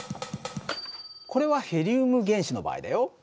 これはヘリウム原子の場合だよ。